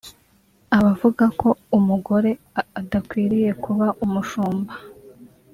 Abavuga ko umugore adakwiriye kuba umushumba